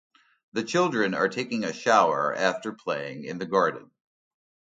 The children are taking a shower after playing in the garden.